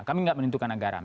kami enggak menentukan anggaran